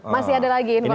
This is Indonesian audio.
masih ada lagi infor masih